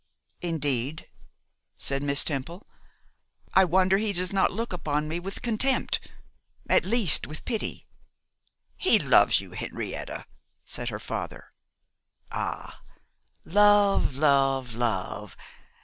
'Indeed!' said Miss Temple. 'I wonder he does not look upon me with contempt; at the least, with pity.' 'He loves you, Henrietta,' said her father. 'Ah! love, love, love!